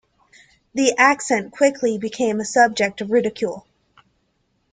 The accent quickly became the subject of ridicule.